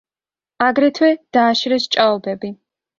აგრეთვე დააშრეს ჭაობები.